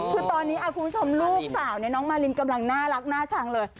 คือตอนนี้ลูกสาวนางมารินกำลังน่ารักน่าชังเลย